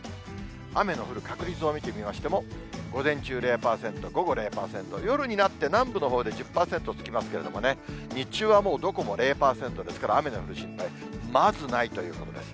雨の降る確率を見てみましても、午前中０％、午後０％、夜になって、南部のほうで１０％つきますけれどもね、日中はもう、どこも０％ですから、雨の降る心配、まずないということです。